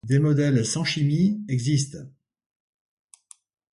Des modèles sans chimie existent.